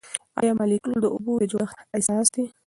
آیا مالیکول د اوبو د جوړښت اساس دی؟